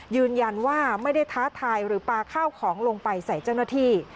ยืนยันว่าไม่ได้ท้าทายหรือปลาข้าวของลงไปใส่เจ้าหน้าที่